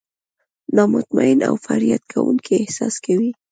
نا مطمئن او فریاد کوونکي احساس کوي.